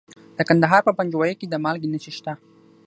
د کندهار په پنجوايي کې د مالګې نښې شته.